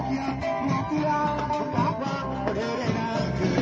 สวัสดีครับทุกคน